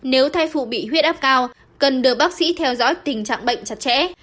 nếu thai phụ bị huyết áp cao cần được bác sĩ theo dõi tình trạng bệnh chặt chẽ